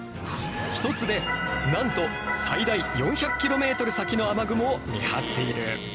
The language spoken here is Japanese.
一つでなんと最大４００キロメートル先の雨雲を見張っている。